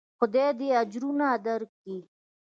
خداى دې اجرونه دركي.